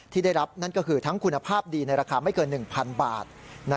ที่ได้รับนั่นก็คือทั้งคุณภาพดีในราคาไม่เกิน๑๐๐๐บาท